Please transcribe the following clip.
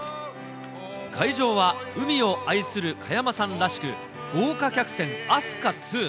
会場は海を愛する加山さんらしく、豪華客船、飛鳥ＩＩ。